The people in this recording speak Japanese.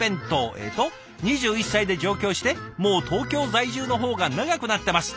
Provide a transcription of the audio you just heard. えっと「２１歳で上京してもう東京在住の方が長くなってます。